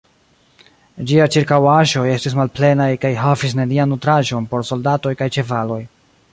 Ĝiaj ĉirkaŭaĵoj estis malplenaj kaj havis nenian nutraĵon por soldatoj kaj ĉevaloj.